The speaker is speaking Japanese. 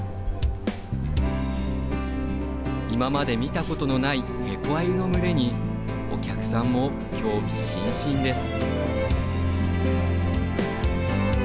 今まで見たことのないヘコアユの群れにお客さんも興味津々です。